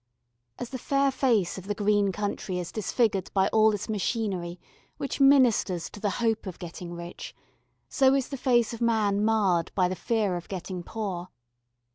As the fair face of the green country is disfigured by all this machinery which ministers to the hope of getting rich, so is the face of man marred by the fear of getting poor.